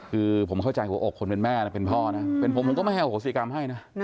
คือผมเข้าใจคนเป็นแม่เป็นพ่อนะผมก็ไม่ให้๖๔กรัมให้นะ